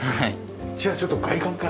じゃあちょっと外観から。